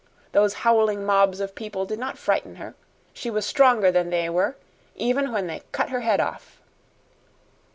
Those howling mobs of people did not frighten her. She was stronger than they were, even when they cut her head off."